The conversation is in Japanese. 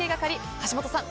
橋本さん